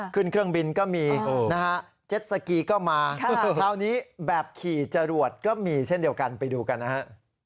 เครื่องบินก็มีนะฮะเจ็ดสกีก็มาคราวนี้แบบขี่จรวดก็มีเช่นเดียวกันไปดูกันนะฮะ